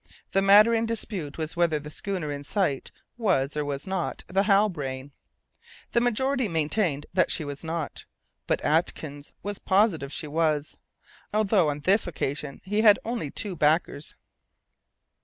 The matter in dispute was whether the schooner in sight was or was not the Halbrane. The majority maintained that she was not, but Atkins was positive she was, although on this occasion he had only two backers.